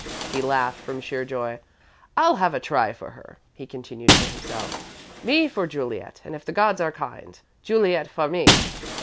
He laughed, from sheer joy. "I'll have a try for her," he continued to himself. "Me for Juliet, and, if the gods are kind, Juliet for me!"